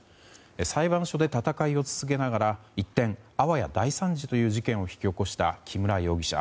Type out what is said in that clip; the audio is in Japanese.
裁判所で戦いを続けながら一転、あわや大惨事という事件を引き起こした木村容疑者。